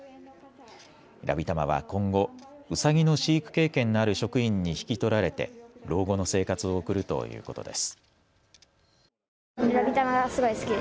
ラビたまは今後、うさぎの飼育経験のある職員に引き取られて老後の生活を送るということです。